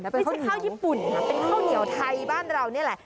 ก็คือหรือเป็นข้าวเหนียวไทยบ้านเรานี่นะ